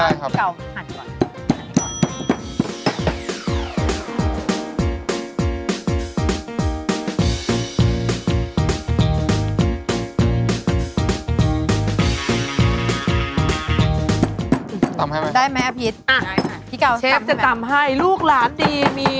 อ่ะพี่เก่าตำทำไม่ได้เชฟจะตำให้ลูกหลานดีมี